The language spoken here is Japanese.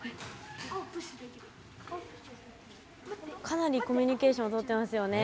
かなりコミュニケーションをとってますよね。